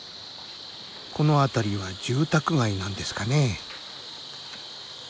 この辺りは住宅街なんですかね。